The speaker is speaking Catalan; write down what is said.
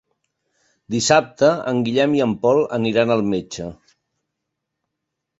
Dissabte en Guillem i en Pol aniran al metge.